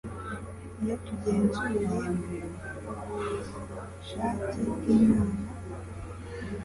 Iyo tugenzuye ubushake bw’Imana,